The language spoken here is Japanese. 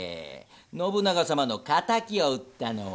信長様の仇を討ったのは？